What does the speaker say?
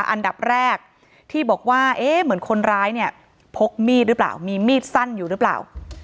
อันดับแรกที่บอกว่าเอ๊ะเหมือนคนร้ายเนี่ยพกมีดหรือเปล่ามีมีดสั้นอยู่หรือเปล่า